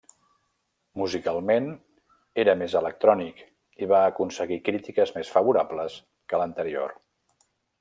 Musicalment era més electrònic i va aconseguir crítiques més favorables que l'anterior.